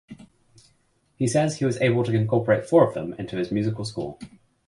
He says he was able to incorporate four of them into his musical score.